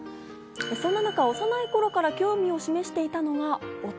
そんな中、幼い頃から興味を示していたのが音。